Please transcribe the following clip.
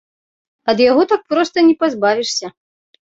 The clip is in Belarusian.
Ад яго так проста не пазбавішся.